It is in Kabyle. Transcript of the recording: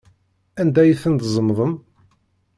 Anda ay ten-tzemḍem?